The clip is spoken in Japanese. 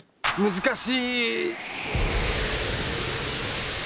難しい。